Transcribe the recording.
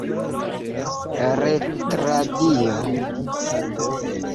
retradio